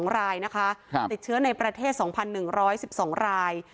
๒รายนะคะติดเชื้อในประเทศ๒๑๑๒ราย